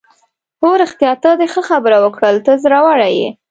هو رښتیا، ته دې ښه خبره وکړل، ته زړوره یې.